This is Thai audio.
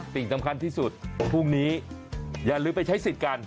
สิ่งสำคัญที่สุดพรุ่งนี้อย่าลืมไปใช้สิทธิ์กัน